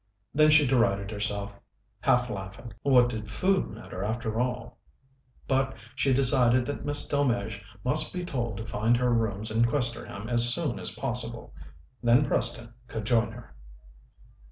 Then she derided herself, half laughing. What did food matter, after all? But she decided that Miss Delmege must be told to find her rooms in Questerham as soon as possible. Then Preston could join her.